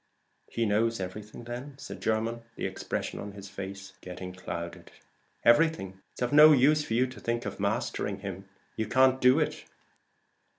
"He knows everything then?" said Jermyn, the expression of his face getting clouded. "Everything. It's of no use for you to think of mastering him: you can't do it.